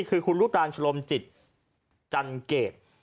คือคุณลูกตาลชะลมจิตจันเกต